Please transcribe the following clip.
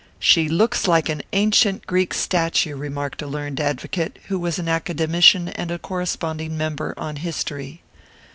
"She looks like an ancient Greek statue," remarked a learned advocate, who was an Academician and corresponding member on history.